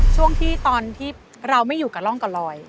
ช่วงที่ตอนที่เราไม่อยู่กับร่องกับลอย